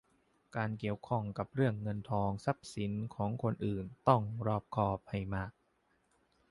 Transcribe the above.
การเกี่ยวข้องกับเรื่องเงินทองทรัพย์สินของคนอื่นต้องรอบคอบให้มาก